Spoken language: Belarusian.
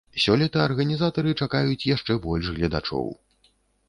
Сёлета арганізатары чакаюць яшчэ больш гледачоў.